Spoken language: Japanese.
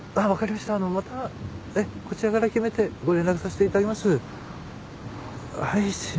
またこちらから決めてご連絡させていただきます。